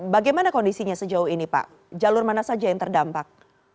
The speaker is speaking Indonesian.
bagaimana kondisinya sejauh ini pak jalur mana saja yang terdampak